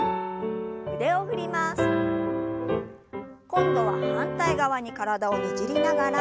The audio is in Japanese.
今度は反対側に体をねじりながら。